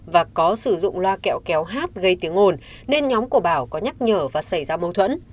và có sử dụng loa kẹo kéo hát gây tiếng ồn nên nhóm của bảo có nhắc nhở và xảy ra mâu thuẫn